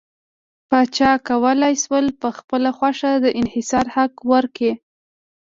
پاچا کولای شول په خپله خوښه د انحصار حق ورکړي.